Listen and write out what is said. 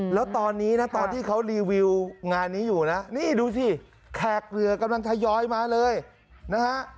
แล้วตอนนี้นะตอนที่เขารีวิวงานนี้อยู่นะนี่ดูสิแขกเรือกำลังทยอยมาเลยนะฮะ